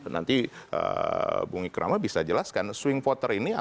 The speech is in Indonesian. nanti bung ikrama bisa jelaskan swing voter ini